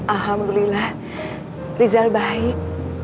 alhamdulillah rizal baik